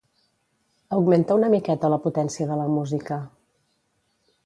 Augmenta una miqueta la potència de la música.